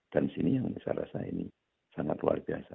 dan di sini yang saya rasa ini sangat luar biasa